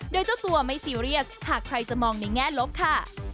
โดยเจ้าตัวไม่ซีเรียสหากใครจะมองในแง่ลบค่ะ